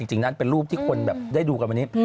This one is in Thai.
จริงนั้นเป็นรูปที่คนแบบได้ดูกันวันนี้